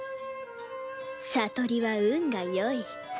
聡里は運がよい。